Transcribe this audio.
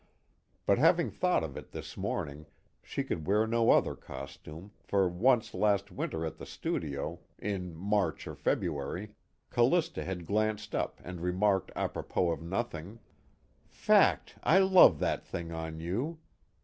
_) but having thought of it this morning, she could wear no other costume, for once last winter at the studio, in March or February, Callista had glanced up and remarked apropos of nothing: "Fact, I love that thing on you.